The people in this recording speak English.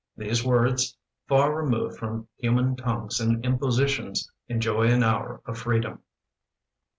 These words, far re moved from human tongues and impositions, enjoy an hour of freedom.